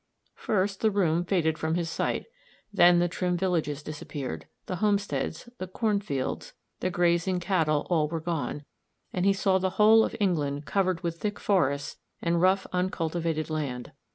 First the room faded from his sight, then the trim villages disappeared; the homesteads, the corn fields, the grazing cattle, all were gone, and he saw the whole of England covered with thick forests and rough uncultivated land.